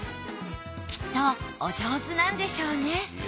きっとお上手なんでしょうね